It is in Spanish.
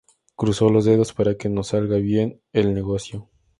Cruza los dedos para que nos salga bien el negocio